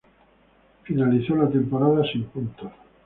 Finalizó la temporada sin puntos.